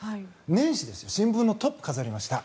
年始、新聞のトップを飾りました。